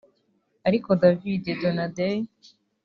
ariko David Donadei